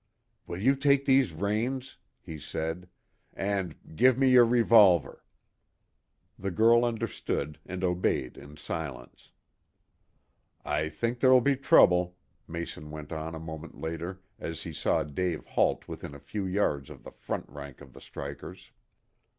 "Will you take these reins?" he said. "And give me your revolver." The girl understood and obeyed in silence. "I think there'll be trouble," Mason went on a moment later, as he saw Dave halt within a few yards of the front rank of the strikers.